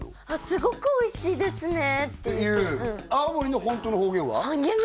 「すごくおいしいですね」って青森のホントの方言は？